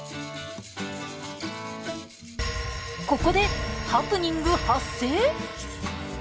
ここでハプニング発生！